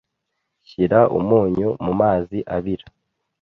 Shyira umunyu mumazi abira.